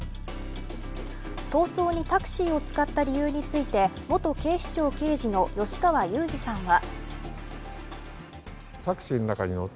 逃走にタクシーを使った理由について元警視庁刑事の吉川祐二さんは。